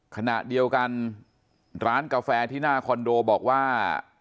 ขณะเดียวกันร้านกาแฟที่หน้าคอนโดบอกว่า